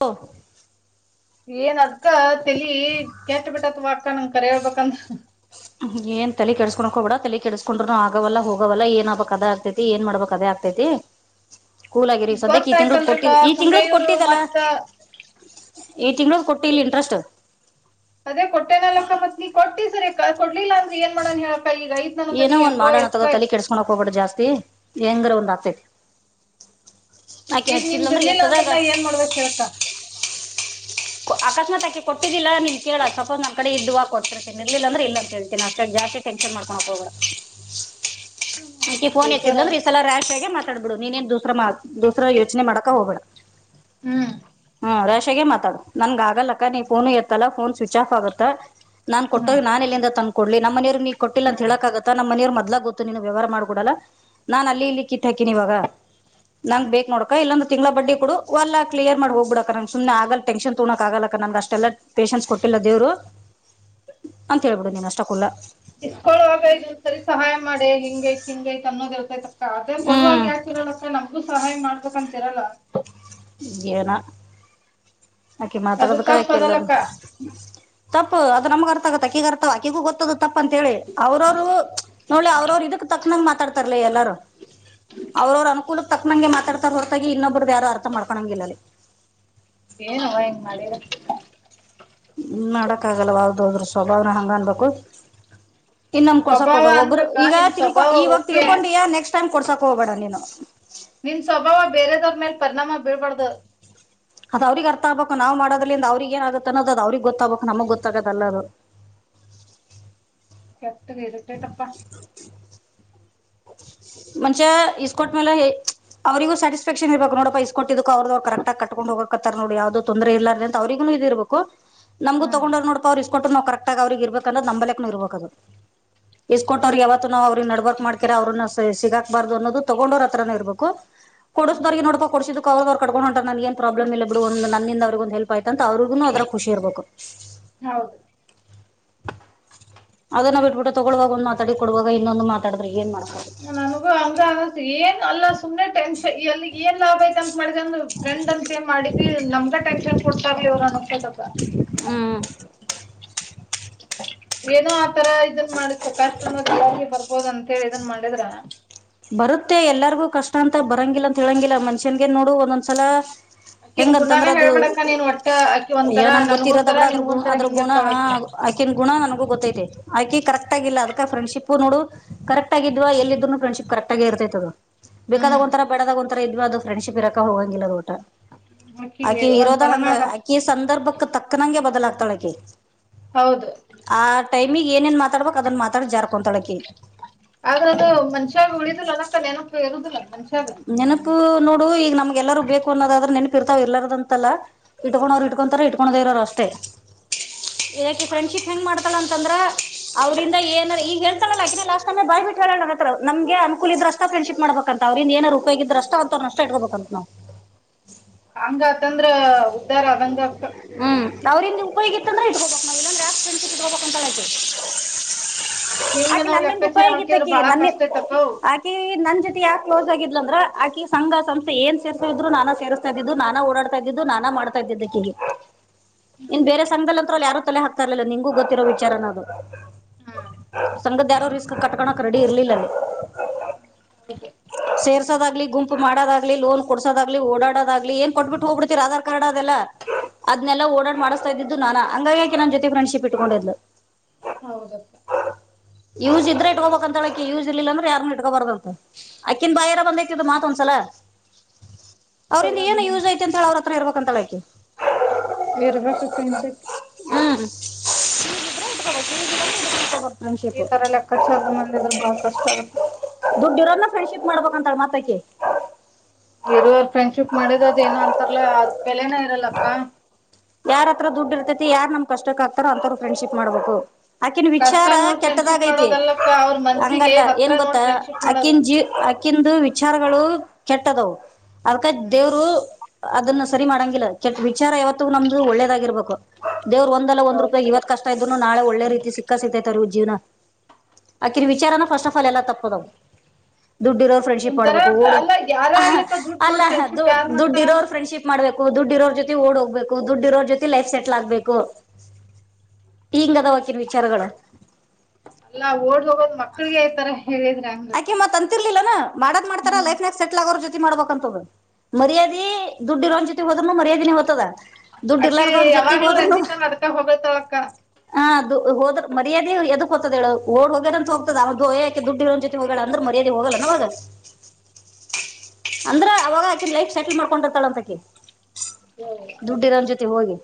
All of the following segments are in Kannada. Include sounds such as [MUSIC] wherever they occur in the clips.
ಓ. [UNINTELLIGIBLE] ಏನ್, ಅದ್ಕ ತಲಿ ಕೆಟ್ಟ, ಬಿಟ್ಟತ್ವ ಅಕ್ಕ ನಮ್ಮ ಕರೀಬೇಕನಾತ. [UNINTELLIGIBLE] ಏನ್ ತಲೆ ಕೆಡಿಸಿಕೊ ಹೋಗಬೇಡಾ! ತಲೆ ಕೆಡಿಸಿಕೊಂಡ್ರು, ಆಗವಲ್ಲ, ಹೋಗವಲ್ಲ, ಏನ್ ಆಗಬೇಕ್ ಅದೇ ಆಗ್ತೈತಿ? ಏನ್ ಮಾಡ್ಬೇಕು ಅದೇ ಆಗ್ತೈತಿ? [INAUDIBLE] ಕೂಲ್ ಆಗಿರಿ ಸದ್ಯಕ್ಕೆ ಈ ಗೊತ್ತಾಯ್ತು, ತಿಂಗಳದ್ ಅಲ್ರಿಪ, ಕೊಟ್ಟಿದ್ ಈ ಸುಮ್ನೆ, ತಿಂಗಳದ್ ಇವರು, ಕೊಟ್ಟಿದಲ್ಲ ಮತ್ತೆ? ಈ ತಿಂಗಳದ್ ಕೊಟ್ಟಿಲ್ [UNINTELLIGIBLE] ಇಂಟ್ರೆಸ್ಟ್ ಅದೇ, ಕೊಟ್ಟೆಗಾಲಕ್ಕ, ಪೀ? [UNINTELLIGIBLE] ಕೊಟ್ಟಿದ್ರೆ ಕಾಸು ಕೊಡಲಿ! ಇಲ್ಲಾಂದ್ರೆ ಏನ್ ಮಾಡೋಣ ಹೇಳಪ್ಪ? [INAUDIBLE] ಏನೋ ಒಂದ್ ಮಾಡೋಣ! ತಗೋ ತಲಿ ಕೆಡಿಸಿಕೋಲೋಕೆ, ಹೋಗಬೇಡ ಜಾಸ್ತಿ? [INAUDIBLE] ಹೆಂಗ್ರ, ಒಂದು ಆತೈತಿ? [UNINTELLIGIBLE] ಆಕೆ, ಈಗ ನಿಂದ್ ಹಚ್ಚಿಲ್ಲಂದ್ರೆ ಇರ್ಲಿಲ್ಲ ಅಂದ್ರ ಎತ್ತದಾಗ? ನಾ ಏನ್ ಮಾಡ್ಬೇಕ್ ಹೇಳಕ್ಕ [UNINTELLIGIBLE] ಆಕಾಸ್ಮಾತ್, ಆಕಿ ಕೊಟ್ಟಿದ್ದಿಲ್ಲ! ನೀ ಕೇಳು ಸಪೋಸ್, ನನ್ನ ಕಡೆ ಇದ್ದೀವ್! ಕೊಟ್ಟಿರುತ್ತೀನಿ ಇರ್ಲಿಲ್ಲ, ಅಂದ್ರೆ, ಇಲ್ಲ, ಅಂತಾ, ಹೇಳತಿನಿ ಅಷ್ಟೇ? [UNINTELLIGIBLE] ಜಾಸ್ತಿ ಟೆನ್ಸನ್ ಮಾಡಿಕೊಳ್ಳಾಕ್! ಹೋಗಬೇಡ ಆಕೆ, ಫೋನ್ ಬೇಜಾರ ಎತ್ತಂದ್ರೆ ಈಸಲ ರಹಶ್ಯಾಗಿ ಮಾತಾಡು. [UNINTELLIGIBLE] ಮಾತಾಡಿಬಿಡು, ನೀನೇನ್ ದೂಸರ ಯೋಚನೆ ಮಾಡಕ ಹೋಗ್ಬೇಡ? [UNINTELLIGIBLE] ಹೂ. [UNINTELLIGIBLE] ಇತ್ತೆಗೆ ಮಾತಾಡು, ನನ್ಗೆ ಆಗಲ್ಲಕ್ಕ! ನೀ, ಫೋನು ಎತ್ತಲ್ಲ, ಫೋನ್ ಸ್ವಿಚ್ ಆಫ್ ಆಗುತ್ತ? [UNINTELLIGIBLE] ನಾನ್, ಹ್ಮ್ ಕೊಟ್ಟೋಗ್, ನಾ, ಎಲ್ಲಿಂದ! ತಂದಕೊಡ್ಲಿ ನಮ್ಮ, ಮನೆಯವರು, ನೀ, ಕೊಟ್ಟಿಲ್ಲ? ಅಂತ ಹ್ಮ್ ಹೇಳಕ ಆಗುತ್ತಾ! ನಮ್ಮ ಮನೆಯವರು ಮೊದಲಾ ಗೊತ್ತು? [UNINTELLIGIBLE] ನಿಂತು ನೀನು ವ್ಯವಾರ ಮಾಡಿರಲ್ಲ! ನಾನ್ ಅಲ್ಲಿ ಇಲ್ಲಿ ಕಿತ್ತ ಹಾಕೀನಿ ಇವಾಗ? [UNINTELLIGIBLE] ನಂಗ್, ಬೇಕ್ ನೋಡ! ಕ್ ಇಲ್ಲೊಂದ್ರ ತಿಂಗಳ ಬಡ್ಡಿ ಕೊಡು! ಇವನಾಕ್ ಕ್ಲಿಯರ್, ಮಾಡಿ. ಹೋಗಿಬಿಡಕ್ ನನಗೆ ಸುಮ್ನೆ ಆಗಲ್ ಟೆನ್ಷನ್? [UNINTELLIGIBLE] ತೋಗನಕ್, ಆಗಲ್ಲಕ್ಕ! ನನ್ಗೆ ಅಷ್ಟೆಲ್ಲ ಪೇಶನ್ಸ್ ಕೊಟ್ಟಿಲ್ಲ ದೇವ್ರು? [UNINTELLIGIBLE] ಅಂತ ಹೇಳ್ಬಿಡು! ನೀನ್ ಅಷ್ಟಕುಲ್ಲಾ? [UNINTELLIGIBLE] ಇಸ್ಕೊಳ್ಳುವಾಗ, ಇದು, ಒಂದು, ಸರಿ ಸಹಾಯ ಮಾಡೆ! ಹಿಂಗ ಐತ್ ಹಿಂಗ ಐತ್ ಅನ್ನೋದ ಇರ್ತೈತಿ. [UNINTELLIGIBLE] ಅದೆ ಕೊಡುವಾಗ! ಹ್ಮ್ ಯಾಕ ಇರಲ್ಲಕ್ಕ ನಮ್ಗೂ ಸಹಾಯ ಮಾಡ್ಬೇಕಂತಿರಲ್ಲ? [UNINTELLIGIBLE] ಏನೋ? [UNINTELLIGIBLE] ಆಕಿ, ಅದು ಮಾತಾಡದಕ್ ತಪ್ಪ ಆಕೆ, ಅದಲ್ಲಕ್ಕ ಎಲ್ಲರನು, ತಪ್ಪು. [UNINTELLIGIBLE] ನಮಗ್ ಅರ್ಥ ಆಗತ್ತ! ಆಕೀಗ, ಅರ್ಥ, ಆಕಿಗೂ ಗೊತ್ತದು, ತಪ್ಪ ಅಂತ ಹೇಳಿ? ಅವ್ರವರು ನೋಡಲೆ, ಅವ್ರವರು, ಇದಕ್ ತಕ್ಕ. [UNINTELLIGIBLE] ಸುಮ್ನೇ, ಮಾತಾಡ್ತಾರಲೆ ಎಲ್ಲಾರೂ? [UNINTELLIGIBLE] ಅವ್ರವ್ರ ಅನುಕೂಲಕ್, ತಕ್ಕನಂಗೆ! ಮಾತಾಡ್ತಾರೆ ಹೊರತಾಗಿ? ಇನ್ನೊಬ್ರದ್ದು, ಯಾರು ಅರ್ಥ ಮಾಡ್ಕೊಳಂಗಿಲ್ಲಲ್ಲಿ? [UNINTELLIGIBLE] ಏನೋ ನಿಮ್ಮನೆಅಳುತಿನ್ನಾ? [UNINTELLIGIBLE] ಏನ್ ಮಾಡಕ್ ಆಗಲ್ಲ! ಅವ್ದ ಹದ್ರು ಸ್ವಭಾವನ ಹಂಗ, ಅನ್ಬೇಕು? [UNINTELLIGIBLE] ತಿನ್ನಮ್, ಕೊಡ್ಸಕ್ ಸ್ವಭಾವ ಹೋಗಲ, ಒಬ್ಬರು ಅಂದ್ರಕ್ಕ ಈಗ ನಿನ್ ತಿಳ್ಕೊ, ಸ್ವಭಾವ ಇವಾಗ ಓಕೆ ತಿಳ್ಕೊಂಡಿಯಾ, ನೆಕ್ಸ್ಟ್ ಟೈಮ್ ಕೊಡ್ಸಕ್ ಹೋಗ್ಬೇಡ ನೀನು? [UNINTELLIGIBLE] ನಿನ್ ಸ್ವಭಾವ ಬೇರೆದವ್ರ ಮೇಲ್ ಪರಿಣಾಮ ಬೀಳಬಾರದು? [INAUDIBLE] ಅದು, ಅವ್ರಿಗೆ ಅರ್ಥಾಗ್ಬೇಕು! ನಾವು ಮಾಡೋದಿರಲಿ, ಅವ್ರಿಗೆ, ಏನಾಗುತ್ತೆ? ಅನ್ನೊದು, ಅವ್ರಿಗೆ, ಗೊತ್ತಾಗ್ಬೇಕು, ನಮಗೆ ಗೊತ್ತಾಗದ! ಅಲ್ಲ ಅದು. [INAUDIBLE] ಕೆಟ್ಟು, ಈರಿಟೈಟ್ಪಾ? [INAUDIBLE] ಮಚ್ಚಾ, ಇಸ್ಕೋಟ್ ಮೇಲೆ? [UNINTELLIGIBLE] ಅವರಿಗೂ ಸಾಟಿಸಿಫಕ್ಷನ್ ಇರ್ಬೇಕ ನೋಡಪ್ಪಾ ಇಸ್ ಕೊಟ್ಟಿದ್ದಕ್ಕೆ ಅವ್ರುದು ಅವ್ರ ಕರೆಕ್ಟಾಗಿ ಕಟ್ಟಿಕೊಂಡು ಹೋಗಕತ್ತರ ನೋಡು ಯಾವದೋ ತೊಂದ್ರೆ ಇಲ್ಲ ಅಂತ ಅವ್ರಗೂ ಇದ ಇರ್ಬೇಕು ನಮಗು ಹ್ಮ್ ತಗೊಂಡಾರ ನೋಡಪ ಅವ್ರು ಇಷ್ಟ ಕೊಟ್ಟು ನಾವು ಕರೆಕ್ಟಾಗಿ ಅವ್ರಿಗೆ ಇರ್ಬೇಕು ಅನ್ನೊದು ನಂಬಲೆಕ್ ಇರ್ಬೇಕು ಅದು ಇಸ್ಕೊಟ್ಟವ್ರರಿಗೂ ಯಾವತ್ತು ನಾವು ಅವ್ರಿಗೆ ನಡಬಾರ್ಕ್ ಮಾಡಕೀರ ಅವ್ರನ್ನ ಹೇ ಸಿಗಾಕ್ಬಾರ್ದು ಅನ್ನೋದು ತಗೊಂಡೋರ್ ಹತ್ರಾನೇ ಇರ್ಬೇಕು. ಕೊಡಸುದವರಿಗೆ ನೋಡಪಾ ಕೊಡಸಿದಕ್ ಅವ್ರದು ಅವ್ರ ಕಟ್ಟಕೊಂಡ ಹೊಂಟಾರ ನನಗೇನು ಏನು ಪ್ರಾಬ್ಲಮ್ ಇಲ್ಲಾ ಬಿಡು ಒಂದ ನನ್ನಿಂದ ಅವ್ರಿಗೊಂದು ಒಂದು ಹೆಲ್ಪ್ ಆಯ್ತಂತ ಅವ್ರಗುನ ಅದರಾಗ್ ಖುಷಿ ಇರಬೇಕು ಹೌದು- - ಅದನ್ನ ಬಿಟ್ಬಿಟ್ಟು ತೊಗೊಳುವಾಗ ಒಂದ ಮಾತಾಡಿ ಕೊಡುವಾಗ ಇನ್ನೊಂದು ಮಾತಾಡಿದ್ರೆ ಏನ್ ಮಾಡಬಕ ಅಕ್ಕಾ ಏನ್ ಅಲ್ಲ ಸುಮ್ನೆ ಟೆನ್ಷ ಏನ್ ಲಾಭ ಆಯತ ಅಂತ ಮಾಡಂದ ಫ್ರಂಡ್ ಅಂತ ಮಾಡಿದ್ವಿ ನಮಗಾ ಟೆನ್ಶನ್ ಕೊಡ್ತಾರೆಲ್ಲಾ ಇವ್ರನು - - ಹ್ಮ್ ಏನೋ ಆತರ ಇದನ್ ಮಾಡಸಕ ಕಸ್ಟ ಮತ್ ಎಲ್ಲರಿಗೂ ಬರ್ಬೋದ ಅಂತ ಹೇಳಿ ಇದನ್ ಮಾಡಿದ್ರ ಬರುತ್ತೆ ಎಲ್ಲರಿಗೂ ಕಷ್ಟ ಅಂತ ಬರಂಗಿಲ್ಲ ಅಂತ ಹೇಳಂಗಿಲ್ಲ ಮನುಷ್ಯಂಗೆ ನೋಡು ಒಂದೊಂದ್ಸಲ ಅಕ್ಕಿನ್ ಗುಣಾನ ಹೆಂಗಂತಂದ್ರೆ ಅದು ಹೇಳ್ಬಿಡಕ್ಕ ನೀನ್ ಒಟ್ಟ ಅಕ್ಕಿ ಅಯ್ಯೋ ಒಂಥರ ನನಗ ಗೊತ್ತಿರೋದ ನನ್ಗೊಂತರ ಬಿಡ ಅದ್ರ ಗು ನಿನ್ಗೊಂತರ ಅದ್ರ ಗುಣ ಹಿಂಗಿರ್ತಾಳ ಆ ಅಕಿ ಆಕೆನ್ ಗುಣ ನನಗ ಗೊತ್ತ ಐ ಅಕಿ ಕರೆಕ್ಟ್ ಆಗಿಲ್ಲ ಅದಕ ಫ್ರೆಂಡ್ಶಿಪ್ ನೋಡು ಕರೆಕ್ಟ್ ಆಗಿದ್ವ ಎಲ್ಲ ಇದರ ಫ್ರೆಂಡ್ಶಿಪ್ ಕರೆಕ್ ಆಗಿ ಇರ್ತೈತದ ಅದು ಬೇಕಾದಾಗ ಹ್ಮ್ ಒಂತರ ಬ್ಯಾಡ ಆದಾಗ ಒಂತರ ಇದ್ವಿ ಅದು ಫ್ರೆಂಡ್ಶಿಪ್ ಇರಕ್ ಹೋಗಂಗಿಲ್ಲ. ಅಕ್ಕಿ ಆಕಿ ಇರೋದ ಒಂಥರನ ಹಂಗ ಅದ ಆಕಿ ಸಂದರ್ಭಕ್ ತಕ್ಕನಂಗೆ ಬದಲಾಗ್ತಾಳೆ ಆಕಿ ಹೌದು ಆ ಟೈಮಗ್ ಏನೇನ್ ಮಾತಾಡ್ಬೇಕಕ್ ಅದನ್ ಮಾತಾಡ್ ಜಾರ್ಕಂತಳಕಿ ಆದ್ರ ಅದು ಮನುಷ್ಯಾಗ ಉಳಿದಿಲ್ಲ ಅಕ್ಕ ನೆನಪ ಇರುವುದಿಲ್ಲ ಮನುಷ್ಯ ನೆನಪು ನೋಡು ಈಗ ನಮ್ಗೆ ಎಲ್ಲರೂ ಬೇಕು ಅನ್ನೋದಾದ್ರ ನೆನಪ ಇರ್ತಾವ ಇರ್ಲ್ಲಾರದ ಅಂತಲ್ಲ ಇಟ್ಕೊಂಣರ ಇಟ್ಕೊತಾರ ಇಟ್ಕೊಂಡಣದೆ ಇರೋರು ಅಷ್ಟೇ. ಅಕಿ ಫ್ರೆಂಡ್ಶಿಪ್ ಹೆಂಗ ಮಾಡ್ತಾಳ ಅಂತಂದ್ರ ಅವ್ರಂದ ಏನ ಈಗ ಹೇಳ್ತಾಳಲ್ಲಾಕಲ್ಲ ಅಕಿನ ಲಾಸ್ಟ ಅಲ್ಲ ಬಾಯಿ ಬಿಟ್ಟಲ್ಲ ಹೇಳೆಳ ನನ್ನ ಹತ್ರ ನಮಗೆ ಅನಕೂಲ ಇದ್ರ ಅಷ್ಟ ಫ್ರೆಂಡ್ಶಿಪ್ ಮಾಡಬೇಕಂತ ಅವರಿಂದ ಏನಾರ ಉಪಯೋಗ ಇದ್ರೆ ಅಷ್ಟ ಅಂತಾವ್ರನ್ನ ಅಷ್ಟ ಇಟ್ಕೋಬೇಕಂತ ನಾವು ಹಂಗತಂದ್ರ ಉದ್ದಾರ ಅದಂಗ ಅಕ್ಕ ನಾವ್ರಿಂದ ಉಪಯೋಗಿತಂದ್ರ ಇಟ್ಕೋಬಕ ನಾವು ಇಲ್ಲ ಅಂದ್ರ ಯಾಕ್ ಫ್ರೆಂಡ್ಶಿಪ್ ಇಟ್ಕೋಬೇಕು ಅಂತಾಳಕಿ ಹಿಂಗ ಆಕೀ ನಾವ್ ನನ್ನಿಂದ ಲೆಕ್ಕಾಚಾರ ಉಪಯೋಗಿತ್ತ ಹಾಕಿದ್ರ ಅಕಿಗೆ ಬಾಳ ನನ್ ಕಷ್ಟ ಐತಕ್ಕ ಅವು ಅಕಿ ನನ್ ನನ್ ಜೊತೆ ಯಾಕ್ ಕ್ಲೋಸ್ ಆಗಿದಲ್ಲ ಅಂದ್ರೆ ಆಕಿ ಸಂಘ ಸಂಸ್ಥ ಏನ ಸೇರ್ತ ಇದ್ ನಾನ ಸೇರ್ಸ್ತಾ ಇದಿದು ನಾನ ಓಡಾಡ್ತಾ ಇದ ನಾನ ಮಾಡ್ತಾ ಇದ್ದಿದ್ದ ಅಕಿಗೆ ಇನ್ ಬೇರೆ ಸಂಘದಲ್ಲಿತ್ರ ಯಾರ ತಲೆ ಹಾಕ್ತರಲಿಲ್ಲ ನಿಂಗೂ ಗೊತ್ತಿರೋ ವಿಚಾರನ ಅದು ಹ್ಮ್ ಸಂಗದ ಯಾರೋ ರಿಸ್ಕ್ ಕಟ್ಕಳಕ್ ರೆಡಿ ಇರ್ಲಿಲ್ಲಲ್ಲಿ ಹೌದು ಸೇರ್ಸೋದಾಗ್ಲಿ ಗುಂಪು ಮಾಡುವುದಾಗಲಿ ಲೋನ್ ಕೊಡ್ಸೋದಾಗ್ಲಿ ಓಡಾಡೋದಾಗ್ಲಿ, ಏನ್ ಕೊಟ್ಬಿಟ್ ಹೋಬಿಡ ಆಧಾರ್ ಕಾರ್ಡ್ ಅದೆಲ್ಲ ಅದನೆಲ್ಲ ಓಡಾಡ್ ಮಾಡಿಸ್ತಾ ಇದಿದ್ದು ನಾನಾ ಹಂಗಾಗಿ ಅಕಿ ನನ್ನ ಜೊತೆ ಫ್ರಂಡ್ಶಿಪ್ ಇಟ್ಕೊಂಡಿದ್ಲು ಹೌದಕ್ಕ ಯೂಸ್ ಇದ್ರೆ ಇಟ್ಕೋಬೇಕ ಅಂತಳಕಿ ಯೂಸ್ ಇಲ್ಲ ಅಂದ್ರೆ ಯಾರು ಇಟ್ಕೋಬಾರ್ದಂತ ಅಕ್ಕಿನ್ ಬಾಯ್ಯಾರ ಬಂದೇತಿದ್ದು ಮಾತ್ ಒಂದಸಲ ಅವ್ರಂದ ಚಲೋ ಏನು ಬಿಡಮ್ಮ ಯೂಸ್ ಐತ ಅಂತ ಹೇಳ ಅವ್ರ ಇರ್ಬೇಕ ತಳ ಅಕಿ ಇರ್ಬೇಕಕ್ಕ ಇಂತಕ್ಕೆ ಹ್ಮ ಯೂಸ್ ಇದ್ರೆ ಇಟ್ಕೋಬೇಕು ಯೂಸ್ ಇಲ್ಲ ಅಂದ್ರೆ ಇಟ್ಕೊಳಕ್ ಹೋಗ್ಬಾರ್ದು ಈ ತರ ಲೆಕ್ಕಚಾರ ಮಂದಿ ಇದ್ರ ಬಾಳ ಕಷ್ಟ ಆಗತ್ತ. ದುಡ್ಡು ಇರೋನ್ನ ಫ್ರೆಂಡ್ಶಿಪ್ ಮಾಡಬೇಕ್ ಅಂತಳ ಮತ್ತೆ ಅಕಿ ಇರುವರ್ ಫ್ರೆಂಡ್ಶಿಪ್ ಮಾಡದದ ಏನೋ ಅಂತಾರಲ್ಲ ಅದ ಬೆಲೆನ ಇರಲ್ಲಕ್ಕ ಯಾರತ್ರ ದುಡ್ಡು ಇರ್ತತಿ ಯಾರ್ ನಮ್ ಕಷ್ಟಕ್ ಆಗ್ತಾರೋ ಅಂತವರ ಫ್ರೆಂಡ್ಶಿಪ್ ಮಾಡ್ಬೇಕು. ಅಕ್ಕಿನ ಕಷ್ಟ ವಿಚಾರ ನೋಡ್ ಫ್ರೆಂಡ್ಶಿಪ್ ಕೆಟ್ಟದಾಗೈತಿ ಮಾಡೋದಲ್ಲಕ್ಕ ಅವ್ರ ಮನ್ಸಿಗೆ ಹಂಗಲ್ಲ ಹತ್ರ ಏನ್ ಗೊತ್ತ ನೋಡ್ ಫ್ರೆಂಡ್ಶಿಪ್ ಮಾಡೋದು ಅಕ್ಕಿನ ಜೀ ಅಕಿಂದು ವಿಚಾರಗಳು ಕೆಟ್ಟದವು ಅದಕ್ಕ ಹ್ಮ್ ದೇವ್ರು ಅದನ್ನ ಸರಿ ಮಾಡಂಗಿಲ್ಲ ಕೆಟ್ಟ ವಿಚಾರ ಯಾವತ್ತು ನಮ್ದು ಒಳ್ಳೇದಾಗಿರ್ಬೇಕು ದೇವರು ಒಂದಲ್ಲ ಒಂದ ಹೌದು ರೂಪಾದಾಗ ಇವತ್ ಕಷ್ಟ ಇದ್ರು ನಾಳೆ ಒಳ್ಳೆ ರೀತಿ ಸಿಕ್ಕಾ ಸಿಗತೇತಿ ಜೀವನ ಅಕಿನ ವಿಚಾರನ ಫಸ್ಟ್ ಆಫ್ ಆಲ್ ಎಲ್ಲ ತಪ್ಪದವ. ದುಡ್ಡ ಇರೋರು ಫ್ರೆಂಡ್ಶಿಪ್ ಒಂಥರ ಮಾಡ್ಬೇಕು ಅಲ್ಲ ಯಾರೇ ಓಡುಅ ಆಗ್ಲಕ್ಕ ದುಡ್ಡು ಅಲ್ಲ ನೋಡಿ ಫ್ರೆಂಡ್ಶಿಪ್ ಯಾರ್ ಮಾಡ್ತಾರ ದುಡ್ಡಿರೋರು ಫ್ರೆಂಡ್ಶಿಪ್ ಮಾಡ್ಬೇಕ. ದುಡ್ಡಿರೋರ ಜೊತೆ ಓಡ ಹೋಗ್ಬೇಕು ದುಡ್ಡಿರೋರ ಜೊತೆ ಲೈಫ್ ಸೆಟ್ಲ್ ಆಗ್ಬೇಕು. ಹಿಂಗ ಅದವಾ ಅಕಿನ ವಿಚಾರಗಳ. ಅಲ್ಲಾ ಓಡ್ ಹೋಗೋದ್ ಮಕ್ಳಿಗೆ ಈ ತರ ಹೇಳಿದ್ರ ಹೆಂಗ ಅಕ್ಕ. ಇಲ್ಲ ಮಾಡದ ಮಾಡ್ತಾರ ಲೈಫ್ ನ್ಯಾಗ ಸೆಟಲ್ ಆಗೋರ ಜೊತಿ ಮಾಡ್ಬೇಕ್ ಅಂತ ಅದ ಮರ್ಯಾದೆ ದುಡ್ಡಿ ಇರೋ ಜೊ ತುದ್ರನು ಹೋದ್ ಮರ್ಯದಿನಿ ಹೋಗ್ತದ. ದುಡ್ ಅಕಿ ಇಲ್ಲಾರ್ದವನ ಜೊತೆ ಯಾವಾಗ್ಲೂ ಹೋದ್ರುನು ರಂಜಿತನ್ ಅದಕ್ಕ ಹೊಗಳ್ತಾಳಕ್ಕ ಹ ಹೋದ್ರ ಮರ್ಯಾದೆ ಎದಕ ಹೋತದ ಹೇಳು ಓಡ್ ಹೋಗ್ಯದ ಅಂತ ಹೋಗ್ತದ ದಕೆ ಅಕಿ ದುಡ್ ಇ ಹೋಗಳ ಅಂದ್ರ ಮರ್ಯಾದೆ ಹೋಗಲ್ಲನ ಅವಾಗ ಅಂದ್ರ ಅವಾಗ ಆಕಿನ್ ಲೈಫ್ ಸೆಟಲ್ ಮಾಡ್ಕೊಂಡರ್ತಾಳ ಅಂತಕಿ ದುಡ್ಡ ಇರೋಣ ಜೊತೆ ಹೋಗಿ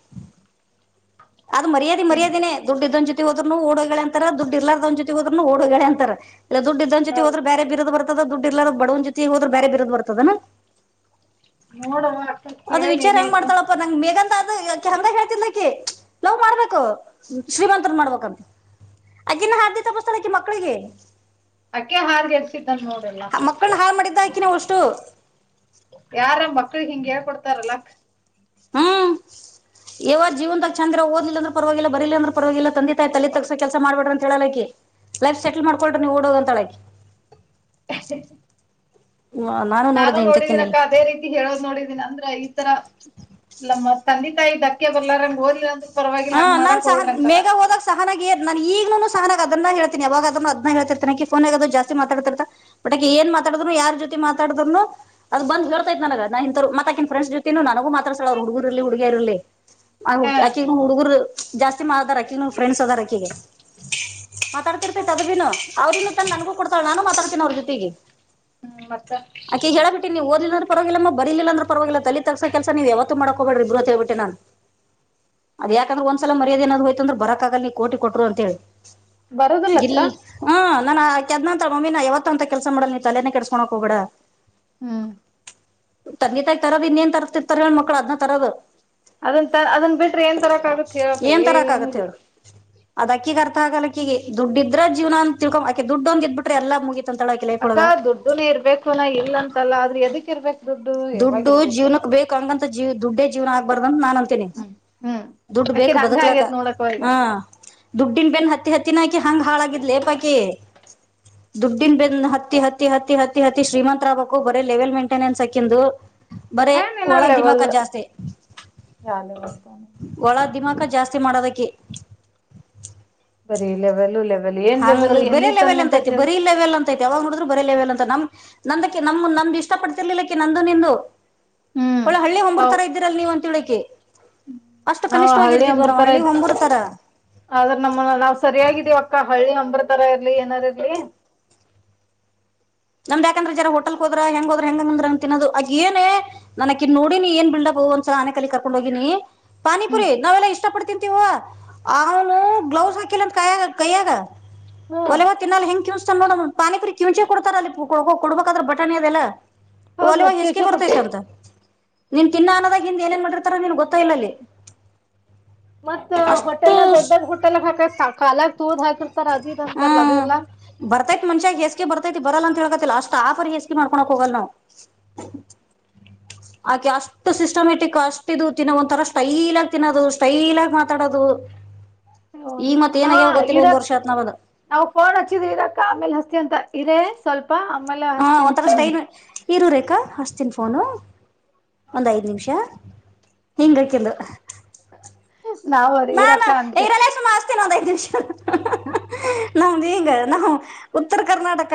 ಅದ ಮರ್ಯಾದೆ ಹಿಂಗ್ ಮರ್ಯಾದೆನೆ ದುಡ್ಡ ಇದ್ದೊಂಚ ಹೋದ್ರೂನು ಓಡೋಗಳ ಅಂತರ ದುಡ್ಡ ಇಲ್ಲಾರದ ಜತೆ ಹೋದ್ರನು ಓಡಿ ಹೋಗ್ಯಾಳ ಅಂತಾರ ಇದ್ದವನ ಜೊತೆ ಹೋದ್ರ ಬ್ಯಾರೆ ಬ ದ ದುಡ್ ಇರಲಾರದ ಬಡವನ ಜೊತೆ ಹೋದ್ರ ಬ್ಯಾರೆ ಬಿರದ ಬರ್ತದನ. ನೋಡವ್ವ ಅಕ್ಕ ಅದು ಕೇಳ್ ವಿಚಾರ ನೀನೇ ಹೆಂಗ ಇನ್ನು ಮಾಡ್ತಾಳಪ್ಪ ನಂಗ ಮೆ ದ ಅದ ಅಕಿ ಹಂಗ ಹೇಳ್ತಿದಳಕಿ ಲವ್ ಮಾಡ್ಬೇಕು ಶ್ರೀಮಂತರ ಮಾಡ್ಬೇಕಂತ. ಅಕಿನ್ನ ಹಾದಿ ತಪ್ಪಸತಾಳ ಅಕಿ ಮಕ್ಕಳಿಗ ಅಕ ಹಾರ್ಗೆಸಿ ನೋಡಲ್ಲ ಮಕ್ಕಳನ್ನ ಹಾಳು ಮಾಡಿದ್ದ ಆಕಿನ ಅಷ್ಟು ಯಾರಂಬ ಮಕ್ಳಿಗ ಹಿಂಗ ಹೇಳ್ಕಡ್ತಾರಲ್ಲ. ಹ್ಮ್ ಯಾವ ಜಿವನದಾಗ ಚಂದರ ಓದಲಿಲ್ಲಂದ್ರ ಪರವಾಗಿಲ್ಲ ಬರಿಲ್ಲ ಅಂದ್ರ ಪರವಾಗಿಲ್ಲ ತಂದ ತಾಯ ತಲಿ ತಗ್ಗಸ ಕೆಲಸ ಮಾಡ್ಬಡ್ರಂತ ಹೇಳಲಕಿ. ಲೈಫ್ ಸೆಟಲ್ ಮಾಡ್ಕೊಳ್ರಿ ನೀವು ಓಡೋಗ ಅಂತಾಳ ಅಕಿ. ನಾನು ನೋಡಿದೆ ಇಂತಕಿನೆಲ್ಲ ನೋಡಿದ್ದೀನಕ್ಕ ಅದೇ ರೀತಿ ಹೇಳೋದ ನೋಡಿದ್ದೀನಿ ಅಂದ್ರ ತರ ನಮ್ಮ ತಂದೆ ತಾಯಿ ಧಕ್ಕೆ ಬರ್ಲಾರಂಗ ಹೋದಿಲ್ಲ ಅಂದ್ರ ಹಾ ನಾನ ಸಹ ಮೇಗ ಹೋದಾಗ ಸಹಾನಾಗದ ನನ್ ಈಗನೂನೂ ಹ ಅದನ್ನ ಹೇಳ್ತಿನಿ ಯಾವಗದ್ರ ಅದ್ನ ಹೇಳ್ತಿರ್ತನಿ ಫೋನ ನ್ಯಾಗದು ಜಸ್ತಿ ಮಾತಾಡತಿತ ಬಟ ಏನ್ ಮಾತಾಡ್ರು ಯಾರ್ ಜೊತೆ ಮಾತಾಡಿದ್ನುನೂ ಅ ಬಂದ ಹೇಳತೈತಿ ನನಗ ನಾ ಇಂತವರ ಮತ್ತ ಅಕಿ ಫ್ರೆಂಡ್ಸ್ ಜೊತೆನೂ ನನಗು ಮಾತಾಡ್ಸಳ ಅವರ ಹುಡುಗರ ಇರ್ಲಿ ಹಡುಗ್ಯಾರ ಇರ್ಲಿ ಹಾ ಆಕಿಗ ಹುಡುಗರ ಜಾಸ್ತಿ ಮಾಡದಾರ ಅಕಿ ಫ್ರೆಂಡ್ಸ್ ಅದಾರ ಆಕಿಗಿ. ಮಾತಾಡ್ತಿರ್ತೇತ ಅದ್ಬೀನು ಅವ್ರನ್ನು ತಂದ ನನ್ಗೂ ಕೊಡ್ತಾಳ ನಾನು ಮಾತಾಡ್ತೀನ ಅವ್ರ ಜೊತೆಗ ಮತ್ತ ನೀವು ಓದಲಿಲ್ಲ ಅಂದ್ರು ಪರವಾಗಿಲ್ಲ ಮ ಬರಿಲ್ಲ ಅಂದ್ರ ಪರವಾಗಿಲ್ಲ ತಲಿ ತಗ್ಗುಸ ಕೆಲ್ಸ ನೀವು ಯಾವತ್ತು ಮಾಡಬೇಡ್ರಿ ಅಂತ ಹೇಳಬಿಟ್ಟನ ನಾನ. [INAUDIBLE] ಅದ ಯಾಕಂದ್ರ ಒಂದಸಲ ಮರ್ಯಾದ ಏನಾದ್ರು ಹೋತಂದ್ರ ಬರಕ್ಕಾಗಲ್ಲ ನೀ ಕೋಟಿ ಕೊಟ್ರು ಅಂತ ಹೇಳಿ ಬರೋದಿಲ್ಲಕ್ಕ ಇಲ್ ಹಾ ನಾನ ಕೇದ್ನ ಅಂತಳ ಮಮ್ಮಿ ನಾ ಯಾವತ್ತಂತ ಕೆಲ್ಸ ಮಾಡಲ ನಿ ತಲೆೇನೆ ಕೆಡಿಸ್ಕೊಳೋಕ ಹೋಗಬೇಡ. ಹ್ಮ್ ತಂಗಿ ತಾಯ ತರೋದ ಇನ್ನೇನ ತರ್ತಿರ್ತಾರ ಹೇಳ ಮಕ್ಳ ಅದ್ನ ತರೋದ. ಅದನ್ ತ ಅದನ್ ಬಿಟ್ರ ಏನ್ ತರಕ ಆಗುತ್ತ ಹೇಳಕ್ಕ ಏನ್ ಏ ಏನು ಇಲ್ಲ. ಗಕ್ಕ ಆಗಲ್ಲ ಆಕಿಗಿ ದುಡ್ಡ ಇದ್ರ ಜೀವನ ಅಂತ ತಿಳ್ಕೊ ಅಕಿ ದುಡ್ಡ ಒಂದ ಇದ್ದ ಬಿಟ್ರ ಮಗ ಅತ್ತಾ ದೋಡ್ಡುನ ಇರ್ಬೇಕು ನ ಇಲ್ಲ ಅಂತಲ್ಲ ಆದ್ರೆ ಎದಕ್ರ್ಬೇಕ. ದುಡ್ಡು ಜೀವನಕ್ಕ ಬೇಕು ಅಂಗಂತ ಜೀವ ದುಡ್ಡೇ ಜೀವನ ಆಗ್ಬಾರ್ದ. ಅಂತ ನಾನ ಅಂತೀನಿ ಹ್ಮ್ ಹ್ಮ್ ದುಡ್ಡ ಬೇಕ ಅಕ್ಕಿದ್ ಹಂಗ ಬದಕ್ಲಕ್ಕ ಆಗೇತ್ ನೋಡಕ ಈಗ ಹಾ. ದುಡ್ಡಿನ ಬೆನ್ನ ಹತ್ತಿ ಹತ್ತಿನ ಅಕಿ ಹಂಗ ಹಾಳಾಗಿದ್ಲಿ ಏಪಾಕಿ ದುಡ್ಡಿನ ಬೆನ್ನ ಹತ್ತಿ ಹತ್ತಿ ಹತ್ತಿ ಹತ್ತಿ ಹತ್ತಿ ಶ್ರೀಮಂತರಾಗಬೇಕು ಬರ ಲೆವೆಲ್ ಮೈಂಟೆನೆನ್ಸ್ ಆ ಅಕಿಂದು ಬರ ಏನಿನ ಒಳ ದಿಮಾಕ ಲೆವೆಲ್ ಜಾಸ್ತಿ ಯಾವ ಲೆವೆಲ್ ಒಳ ದಿಮಕ ಜಾಸ್ತಿ ಮಾಡೋದ ಅಕಿ ಬರೀ ಲೆವೆಲ್ ಲಿವ್ ಹಂಗ ಬೇರೆ ಲೆವೆಲ್ ಅಂತ ಐತಿ ಬರಿ ಲೇವೆಲ್ ಅಂತೈಐ ಯಾವಗ ನೋಡಿದ್ರ ಬರೆ ಲೆವೆಲ್ ಅಂತ ನಮ್ ನಂದಕ್ಕೆ ನಮ ನಮ್ದ ಇಷ್ಟ ಪಡ್ತಿರ್ಲಿಲ್ಲ ಅಕ್ಕ ನಂದು ನಿಂದು ಹ್ಮ್ ಒಳ್ಳೆ ಹಳ್ಳಿ ಹಂಬರ ಹೌ ತರ ಇದ್ದೀರಲ್ಲ ನೀವ ಅಂತಿಳಕಿ ಅಷ್ಟು ನಾವ್ ಹಳ್ಳಿ ಅಂಬ್ರ ಕನಿಷ್ಠವಾಗಿರ್ತಿದ್ವಾರ ತರ ಹಳ್ಳಿ ಇದ್ ಹೊಂಬುರ್ತರ ಆದ್ರ ನಮ್ಮ ನಾವ್ ಸರಿಯಾಗಿದ್ದೀವ ಅಕ್ಕ ಹಳ್ಳಿ ಅ ರ ತರ ಇರ್ಲಿ ಏನಾರು ಇರ್ಲಿ ನಮ್ದ್ಕಂದ್ರೆ ಜನ ಹೋಟಲ್ ಹದ್ರ ಹೆಂಗ ಹದ್ರ ಹೆಂಗಂದ್ರ ಅಂಗ ತಿನ್ನದು ಆಗ ಏನ ನನಕಿ ನೋಡಿ ನೀ ಏನ್ ಬಿಲ್ಡಪ್ ಸ ಆನೆ ಕಲಿ ಕಕೊಂಡ ಹೋಗಿನಿ ಪಾನಿಪುರಿ ಹ್ಮ ನಾವೆಲ್ಲಾ ಇಷ್ಟ ಪಡ್ ತಿನ್ಂತೀವ ಅವನು ಗ್ಲೌಸ್ ಹಾಕಿಲ್ಲಂತ ಕಾಯ ಕೈಯಾಗ ಒಲೆಗ ತಿನ್ನ ಹೆಂಗಗೆ ಕಿವ್ತ ನೋಡ ಪಾನಿಪುರಿ ಕಿಂಚೆ ಕೊಡ್ತಾರ ಅಲ್ಲಿ ಕೊಡ್ಬೇಕಾದ್ರ ಬಟಾಣಿ ಅದೆಲ್ಲ ಹೌದ್ ಅಲವ ಮತ್ ಹೆಸಕಿ ಕಿವಿಚೆ ಕೊಡ್ತ ಬರ್ತೈತ್ಂತ ನೀನ್ ತಿಿನ್ನ ಅನ್ನದಾಗ ಹಿಂದ ಏನೇನ್ ಮಾಡಿರ್ತಾರ ನಿನ್ಗ್ ಗೊತ್ತೋ ಇಲ್ಲ ಅಲ್ಲಿ ಮತ್ತತ್ ಅಷ್ಟು ಹೋಟೆಲ್ ನ ದಡ್ ದೊಡ್ಡ ಹಟೆಲ್ ಹಾಕತ್ ಕಾಲ ತೂದ ಹಾಕ ಅದ ಇದ ಅಂತಾರಲ್ಲ ಹ್ಮ್ ಅದೆಲ್ಲಾ ಬರ್ತೈತಿ ಮನ್ಷ್ಯಾಗ ಎಸ್ಗೆ ಬರ್ತೈತಿ ಬರಲ್ಲ ಅಂತ ಹ ಹೇಳಳ್ಕತಿ ಲ ಅಸ್ ತಾಪರಿ ಎಸಿಗೆ ಮಾಡ್ಕೊಳಕ್ ಹೋಗಲ್ ನಾವವು ಆಕೆ ಅಷ್ಟು ಸಿಸ್ಟಮೆಟಿಕ್ ಅಷ್ಟ ಇದು ತಿನ್ನೋ ಒಂಥರ ಸ್ಟೈಲ ಆಗಿ ತಿನ್ನೋದು ಸ್ಟೈಲ ಆಗಿ ಮಾತ್ರ ತಡದು ಹ ಹಾ ಇರಾಕ್ ಆತ್ ನಾವದ ನಾವು ಫೋನ್ ಹಚ್ಚಿದ್ರ ಇರಾಕ ಆಮೇಲೆ ಹತ ಅಂತ ಇರೇ ಸ್ವಲ್ಪ ಆಮೇಲೆ ಹಾ ಹಸ್ತೀನಿ ಒಂಥರ ಸ್ಟೈನು ಇರುೂರೇಕಾ ಹಸ್ತನ್ ಫೋನು ಒಂದ್ ಐದ್ ನಿಮಿಷ ಹಿಂಗಕಂದು ನಾವು ಅದು ನಾನಾ ಇರಕ್ಕ ಅಂತೆ ಈರಲ್ಲ ಸುಮಾಸ್ತೇ ನ ಒ ಐದ್ ನಿಮಿ ನಮ್ದ ಈಗ ನಾವು ಉತ್ತರ ಕರ್ನಾಟಕ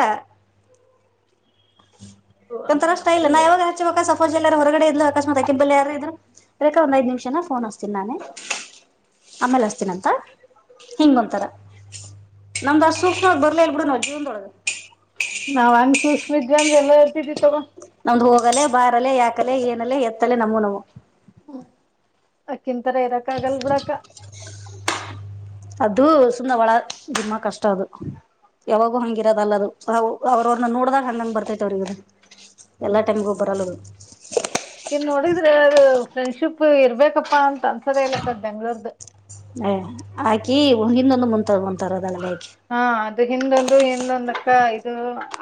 ಒಂತರಷ್ಟ ಇಲ್ಲ ನಾ ಯಾವಾಗ ಹವಕಸ ಜ ಎಾರು ಹೊರಗಡೆ ಇದ್ಲು ಅಕಸ್ಮಾತ್ ಆಕಿಂಬಬಲ್ಲಿ ಯಾರ ಇದ್ರು ಬೇಕ ಒಂದ ಐದ್ ನಿಮಷ ನ್ ಹಸ್ತನಿ ನಾನೇ ಆಮೇಲೆ ಹಸ್ತೀನಂತ ಹಿಂಗೊಂತಾರ ನಮ್ದ ಸೂಕ್ಷ್ಮ ಬರ್ಲೇಲ್ ಬಿಡು ನಾ್ ಜೀವನದೊಳಗೆ ನಾವ್ ಹಂಗ ಸೂಶ್ಮಿತ ಅಂದ್ರ ಎಲ್ಲ ಹತಿದಿ ತಗ ನಮ್ದ್ ಹೋಗಲೆೇ ಬಾರಲೆ ಯಾಕಲೆ ಏನಲ್ಲ ಎತ್ತಲೆ ನಮ ನವು ಕ್ಕಿಂತರ ಇರಕ್ ಆಗಲ್ ಬಿಡಕ ಅದು ಸುಂದ ಒಳ ನಿಮ್ಮಾ ಕಷ್ಟ ಅದು ಯಾವಾಗೂ ಹಂಗಿರೋದ ಅಲ್ಲ ಅದು ಅವ್ರವ್ರನ್ನ ನೋಡ್ದಾಗ ಹಂಗಂಗ ಬರ್ತೈತಿ ಅವ್ರಗ ಎಲ್ಲಾ ಟೈಮ್ಗ ಒಬ್ಬರ ಅಳಗ ಇನ್ ನೋಡಿದ್ರೆ ಅದು ಫ್ರೆಂಡ್ಶಿಪ್ ಇರ್ಬೇಕಪ್ಪಾ ಅಂತ ಅ ಸದೇಲ್ಲ ಸರ್ ಬೆಂಗ್ಗಳೂರುದ ಹಾಕಿ ಹನ್ನೊಂದು ಮುಂ ಮುಂತರೋದಲ್ಲ ಹಾ ಅದು ಹಿಂದೊಂದು ಹಿಂದೊಂದಕ್ಕ ಇದು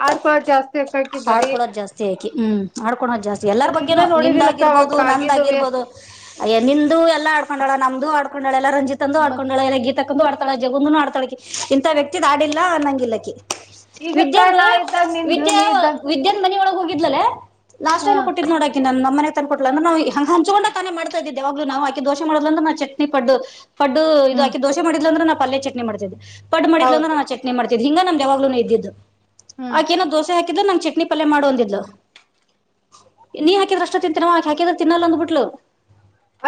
ಆಡ್ಕಡ್ ಜಾಸ್ತಿ ಕಕಿ ಬರೀ ಕೋ ಜಾಸ್ತಿ ಎಲ್ಲರ ಬಗ್ಗೆನು ನಿಂದ ನೋಡಿದಿಲ್ಲಕ್ಕ ಅವಾಗ ಆಗಿರ್ಬೋದು ನಂದ ಕಾಗಿದು ವೇಸ್ಟ್ ಆಗಿರ್ಬಹದು ನಿು ಎಲ್ಲ ಆಡ್ಕೊಂಡಳ ನಮ್ದ ಆಡ್ಕೊಂಡಳಲ್ಲ ರಂಜತ್ ಅಂದು ಮತ್ ಆಡ್ಕೊಂಡಳೆಲ್ಲ ಗೀ ಆಡ್ತಾಳ ಜಗುಂದನು ಆಡ್ತಾಳಕ ಇಂತ ವ್ಯತತಿ ಆಡಿಲ್ಲಿಲ್ಲ ಅಂಗ ಇಲ್ಲಕ್ಕಿ ಈಗಕ್ಕ ವಿದ್ಯೆಂದು ನಾ ಇದ್ದಾಗ ನಿಂದು ವಿದ್ಯ ನೀ ಇದ್ದಾಗ ಇದನ್ ಮನ ಒಳ ಹೋಗಿದ್ಲೆೇ ಲಾಸ್ಟ್ ಹಾ ಏನ ಕೊಟ್ಟಿದ್ ನೋಡಾಕಿ ನಮ್ಮ ಮನೆ ತ ಕೊಟ್ಲ ಅಂದ್ರ ನಾವು ಹಂಗ ಹಂಚ್ಕೊಂಡ ತಾನೆ ಮಾಡ್ತ ಇದಿದ್ದೆವಾಗ್ ನಾ ಆಕ ದೋ ಮಾಡದಂದ್ರ ನ ಚಟ್ನಿ ಪಡು ಪಡ್ ಹ್ಮ್ ಇದುಾಕಿ ದೋಸೆ ಮಾಡ್ಲ್ಲಂದ್ರೆ ನಾ ಪಲ್ ಚಟ್ನಿತಿದ್ದ್ ಪಡ್ ಮಾಡಿದ್ ಅ್ರ ಹೌದು ನಾ ಚಟ ಮಾಡ್ಗ ನಮ ಗ್ಲ ಇದ್ದಿದ್ದು ಹ್ಮ್ ಆಕೆನೋ ದೋಸೆ ಹಾಕಿದ್ರೆ ನಂ ಚಿ ನೀ ಪಲ್ಯ ಮಾಡು ಒಂದಿದ್ಲು ನೀ ಹಾಕಿದ್ರ ಅಷ್ಟ ತಿಂತೀರಾಕಿ ಹಾಕಿದ್ರ ತಿನ್ನಲ್ಲ ಅಂದ್ಬಿಟ್ಲು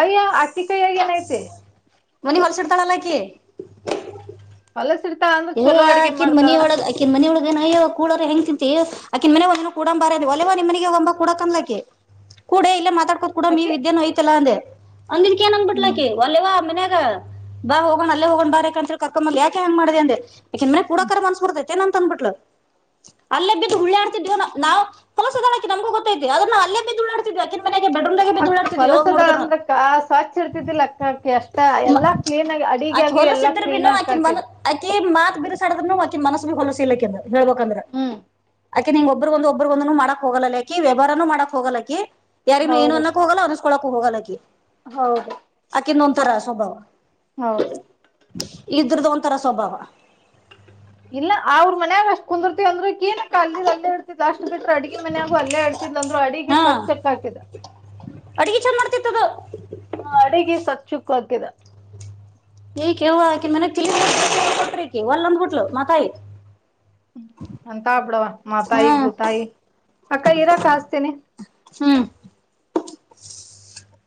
ಅಯ್ಯ ಆಟಿಕೈ ಅಯ್ಯ ನತೆ ಮನಿ ಹೊರ್ಸಿಡ್ತಾಳಲ್ಲಾಕಿ ಹೊಲಸ ಇರ್ತಾಳ ಅಂದ್ರ ಚಲೋ ಅಡ್ಗೆ ಇಕಿನ್ ಮನಿ ಮಾಡ್ತಾಳ ಒಳಗ್ ಅಕಿನ್ ಮನ ಒಳಗ ನವಾಗ ಕಡ ಹೆಂಗ್ ತಿಂತತಿ ಆಕಿಿನ ಮನ ಕಡಂಬಾರ ಅಲ್ವ ನಿನ್ ಮನೆಗೆ ಒ ಕೂಡ ಕನ್ಲಾ ಕೂಡ ಇಲ್ಲ ಮಾತಾಡ್ ಕೂಡ ನೀ ಅಕಿ ವಿದ್ಯೆೋಯ್ತಲ್ಲ ಅಂದೆಂದಿ ಏನ್ ಅಂದಬಿಟ್ಲಾಕಿ ಅಲ್ವ ಮನ್ಯಾಗ ಬಾ ಹೋಗಣ್ ಅಲ್ಲ ಹೋಗೊಂಡ್ ಬಾರೆಾಕ ಅಂತ ಕಕ್ಕ ಯಾೆ ಮಾಡ. ನೆ ಪುಡಕಾರರ ಮನ್ಸ್ ಬಡ್ತೆ ನಂತ ಅನ್ನುಮಟ್ಟ. ಅಲ್ಲೇ ಬಿದ್ದು ಉುಳ್ಳೆ ಆಡ್ತಿದೇವ ನಾವು ಕಲಸದಾಕಿ ನಮಗೂ ಗೊತ್ತ್ತೆ ಅದನ್ನ ಅಲ್ಲೇ ಬಿದ್ದುಾಡ್ತಿದ್. ಅಕ್ಕ ಪಲಸದಾಳ ಅಂದ್ರಕ್ಕ ಸ್ವಚ್ ಇರ್ತಿದ್ದಿಲ್ಲ ಅಕ್ಕ ಅಕ್ಕಿ ಅಷ್ಟ ಎಲ್ಲಾ ಕ್ಲೀನ್ ಆಗಿ. ಅಡಿಗೆ ಆಕಿ ಆಗ್ಲಿ ಹೊಲಸ ಎಲ್ಲಾ ಇದ್ರರು ಕ್ಲೀನ್ ಬಿನು ಅಕ್ಕ ಆಕಿನ್ ಮನ ಹಾಕಿದ್ ಆಕಿ. ಮಾತ್ ಬಿರ್ಸಾಡದ್ನು ಮೆ ಮನಸ್ಸ ಬಿ ಹೊಲಸ ಇಲಕ ಅಂದ ಹೇಳ್ಬೇಕಂದ್ರ. ಹ್ಮ್ ಅಾಕೆ ನಿಂಗ್ ಒಬ್ಬಗೊ ಒಬ್ಬರುಗಂದನು ಮಾಡಕ್ ಹೋಗಲ್ಲಾಕಿ ವ್ಯವಹಾರಾನೂ ಮಾಡಕ್ ಹೋಗೋಲಾಿ. ಯಾರನು ಏನು ಹೌದ ಅನ್ನಕ್ಕ ಹೋಗಲ್ಲ ಅನ್ಸ್ಕೊೋಕೂ ಹೋಗೋಲಕ್ಕೆ. ಹೌದು. ಕ ಒಂಥರ ಸ್ವಭಾವ ಹೌದು ಇದ್ರದು ಒಂಥರ ಸ್ವಭಾವ. ಇಲ್ಲ ಅವ್ರ ಮನ್ಯಾಗ ಅಷ್ಟ್ ಕುಂದರ್ತವಿ ಅಂದ್ರು ಏನಕ್ಕ ಅಲ್ಲಿ ಅಲ್ಲೇ ಇರ್ತ ಅಷ್ಟ. ಬಿಟ ಅಡ್ಗೆ ಮನ ಆಾಗು ಅಲ್ಲೇ ಅಡ್ಸಿದ್ ಅಂದ್ರರು ಅಡಿಗೆ ಹಾ ಸ್ವಚ್ಛಕ್ಕ ಹಾಕಿದ. ಅಡ್ಗಿ ಚಂದ ಮಾಡ್ತಿತ್ತದ ಹ ಅಡಗೆ ಸ ಚುಕ್ ಆಗ್ತಿದೆ. ಈ ಕೆಕಿ ಮಟ್ರಿ ಒಲ್ ಅಂದ್ಬಟ್ಲು ಮಾತಾಯತ. ಅಂತ ಆಬ್ಬಿಡವ ಮಾತಾಯಿ ಹ್ಮ್ ಭೂತಾಯಿ ಅಕ್ಕ ಇರಾಕ್ ಹಸ್ತೀನಿ. ಹ್ಮ್.